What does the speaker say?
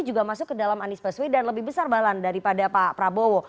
juga masuk ke dalam anies baswedan lebih besar balan daripada pak prabowo